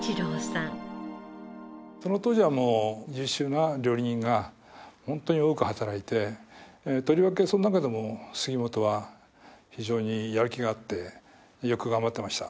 その当時はもう優秀な料理人が本当に多く働いてとりわけその中でも杉本は非常にやる気があってよく頑張ってました。